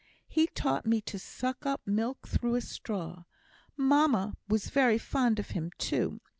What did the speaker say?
He taught me to suck up milk through a straw. Mamma was very fond of him too.